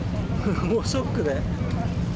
もうショックで。